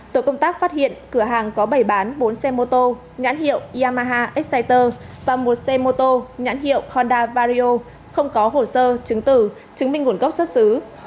tổ công tác phát hiện cửa hàng có bày bán bốn xe mô tô nhãn hiệu yamaha exciter và một xe mô tô nhãn hiệu honda vario không có hồ sơ chứng tử chứng minh nguồn gốc xuất xứ